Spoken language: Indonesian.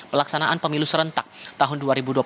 pelaksanaan pemilu serentak tahun dua ribu dua puluh